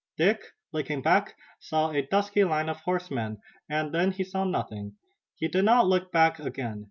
Dick, looking back, saw a dusky line of horsemen, and then he saw nothing. He did not look back again.